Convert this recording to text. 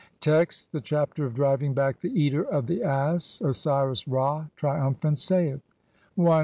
Text : (1) The Chapter of driving back the Eater of THE ASS. Osiris Ra, triumphant, saith :— I.